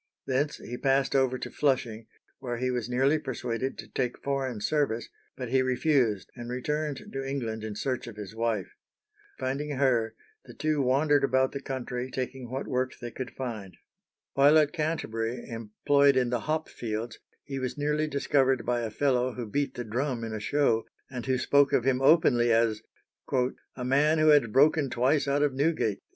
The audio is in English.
Thence he passed over to Flushing, where he was nearly persuaded to take foreign service, but he refused and returned to England in search of his wife. Finding her, the two wandered about the country taking what work they could find. While at Canterbury, employed in the hop fields, he was nearly discovered by a fellow who beat the drum in a show, and who spoke of him openly as "a man who had broken twice out of Newgate."